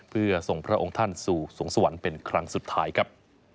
เพื่อส่งพระองค์ท่านสู่สวงสวรรค์เป็นครั้งสุดท้ายครับ